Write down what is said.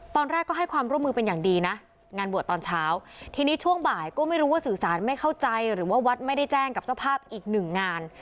ตอนแรกก็ให้ความร่วมมือเป็นอย่างดีนะงานบวชตอนเช้าทีนี้ช่วงบ่ายก็ไม่รู้ว่าสื่อสารไม่เข้าใจหรือว่าวัดไม่ได้แจ้งกับเจ้าภาพอีกหนึ่งงาน